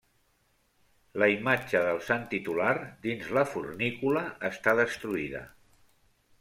La imatge del sant titular, dins la fornícula, està destruïda.